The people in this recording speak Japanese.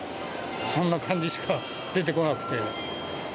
そんな感じしか出てこなくて。